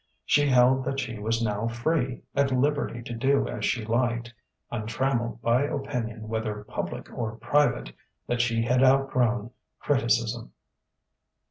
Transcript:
She held that she was now free, at liberty to do as she liked, untrammelled by opinion whether public or private: that she had outgrown criticism.